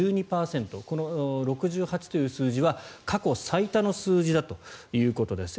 この６８という数字は過去最多の数字だということです。